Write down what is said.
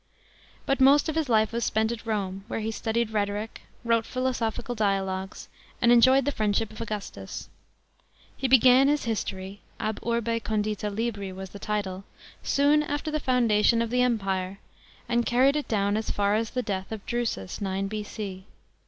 But most of his ii"e was spent at Rome, where he studied rhetoric, wrote philosophical dialogues, and enjoyed the friendship of Augustus. He bc^an his history (Ab urbe condi.ta Ifbri was the title) soon after the foundation of the Em i ire, and carried it clown as tar as the death of Drusus (9 B.C.).